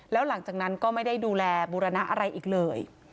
แล้วหลังจากนั้นก็ไม่ได้ดูแลบูรณะอะไรอีกเลย